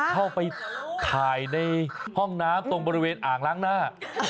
เข้าไปถ่ายในห้องน้ำตรงบริเวณอ่างล้างหน้า